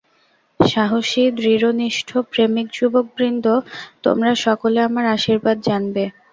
সাহসী, দৃঢ়নিষ্ঠ, প্রেমিক যুবকবৃন্দ, তোমরা সকলে আমার আশীর্বাদ জানবে।